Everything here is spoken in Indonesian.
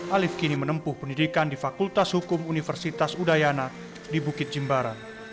alif kini menempuh pendidikan di fakultas hukum universitas udayana di bukit jimbaran